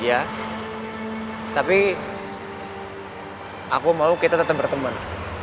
ya tapi aku mau kita tetap berteman